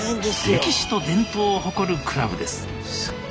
歴史と伝統を誇るクラブです。